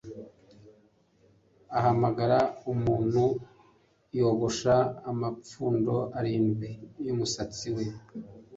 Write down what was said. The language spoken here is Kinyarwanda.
ahamagara umuntu yogosha amapfundo arindwi y'umusatsi we